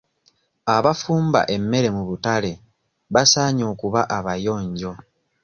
Abafumba emmere mu butale basaanye okuba abayonjo.